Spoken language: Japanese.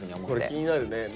これ気になるね。